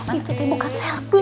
ini bukan selfie